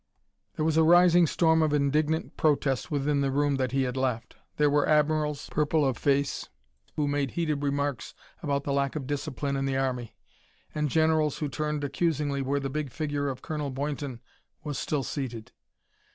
There was a rising storm of indignant protest within the room that he had left. There were admirals, purple of face, who made heated remarks about the lack of discipline in the army, and generals who turned accusingly where the big figure of Colonel Boynton was still seated.